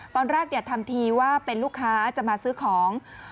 ตอนแรกทำทีว่าเป็นลูกค้าจะมาซื้อของ